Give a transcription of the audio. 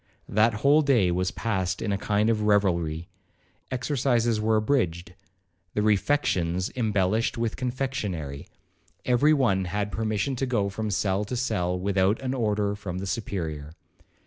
That whole day was passed in a kind of revelry. Exercises were abridged,—the refections embellished with confectionary,—every one had permission to go from cell to cell, without an order from the Superior.